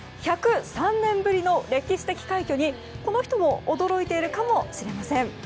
１０３年ぶりの歴史的快挙にこの人も驚いているかもしれません。